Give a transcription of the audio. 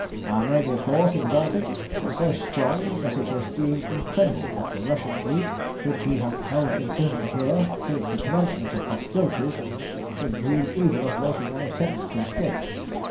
Our naval force in the Baltic was so strong that it was deemed incredible that the Russian fleet, which we have held imprisoned here since the commencement of hostilities, should dream even of making an attempt to escape.